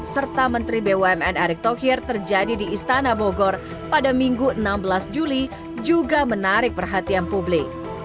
serta menteri bumn erick thokir terjadi di istana bogor pada minggu enam belas juli juga menarik perhatian publik